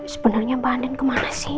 sebenarnya banding kemana sih